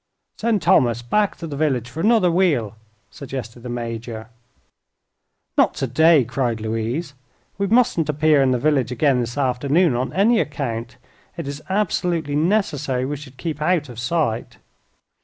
"Send Thomas back to the village for another wheel" suggested the Major. "Not today!" cried Louise. "We mustn't appear in the village again this afternoon, on any account. It is absolutely necessary we should keep out of sight."